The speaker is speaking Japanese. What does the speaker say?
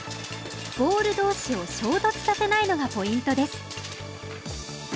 ボール同士を衝突させないのがポイントです